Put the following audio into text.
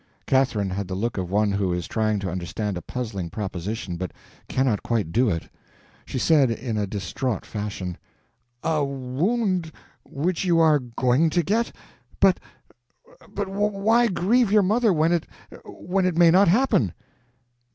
Catherine had the look of one who is trying to understand a puzzling proposition but cannot quite do it. She said, in a distraught fashion: "A wound which you are going to get? But—but why grieve your mother when it—when it may not happen?"